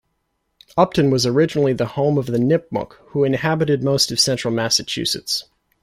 Upton was originally the home of the Nipmuc, who inhabited most of central Massachusetts.